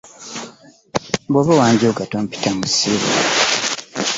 Bw'oba wanjooga tompita omusiru.